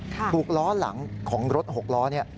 ถูกล้อหลังของรถหกล้อเนี่ย